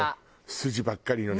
筋ばっかりのね。